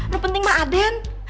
ga penting mah aden